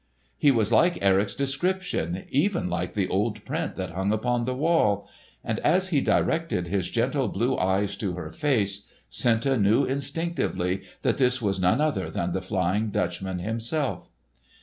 He was like Erik's description, even like the old print that hung upon the wall; and as he directed his gentle blue eyes to her face, Senta knew instinctively that this was none other than the Flying Dutchman himself.